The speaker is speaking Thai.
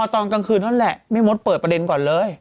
สวัสดีค่ะข้าวใส่ไข่สดใหม่เยอะสวัสดีค่ะ